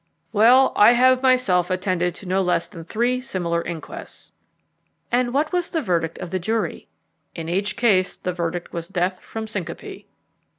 "Well, I have myself attended no less than three similar inquests." "And what was the verdict of the jury?" "In each case the verdict was death from syncope."